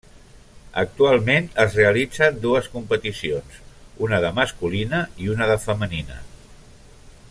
Actualment es realitzen dues competicions, una de masculina i una de femenina.